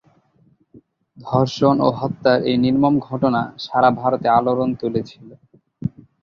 ধর্ষণ ও হত্যার এই নির্মম ঘটনা সারা ভারতে আলোড়ন তুলেছিল।